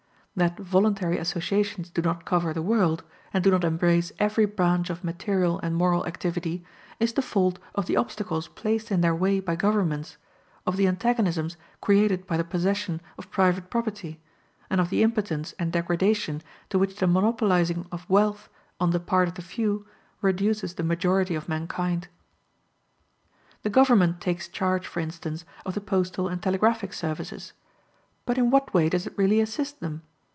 That voluntary associations do not cover the world, and do not embrace every branch of material and moral activity, is the fault of the obstacles placed in their way by governments, of the antagonisms created by the possession of private property, and of the impotence and degradation to which the monopolizing of wealth on the part of the few reduces the majority of mankind. The government takes charge, for instance, of the postal and telegraphic services. But in what way does it really assist them?